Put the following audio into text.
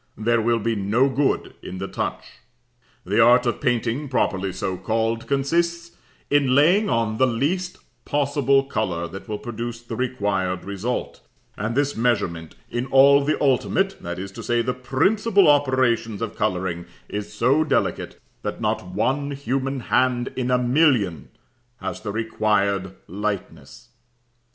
There will be no good in the touch. The art of painting, properly so called, consists in laying on the least possible colour that will produce the required result, and this measurement, in all the ultimate, that is to say, the principal, operations of colouring, is so delicate that not one human hand in a million has the required lightness.